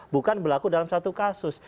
bukan berlaku dalam satu kasus